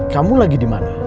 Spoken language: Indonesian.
kamu lagi dimana